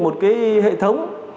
một hệ thống